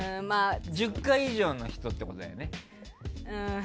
１０回以上の人ってことだよね。